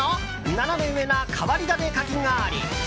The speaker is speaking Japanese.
ナナメ上な変わり種かき氷。